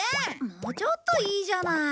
もうちょっといいじゃない。